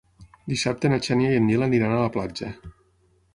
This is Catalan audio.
Dissabte na Xènia i en Nil iran a la platja.